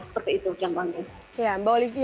seperti itu yang bagus